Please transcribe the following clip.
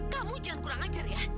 kamu jangan kurang ajar ya